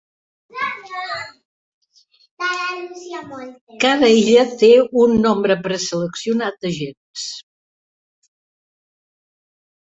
Cada illa té un nombre preseleccionat d'agents.